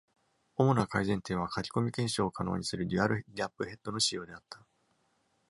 主な改善点は、書き込み検証を可能にするデュアルギャップヘッドの使用であった。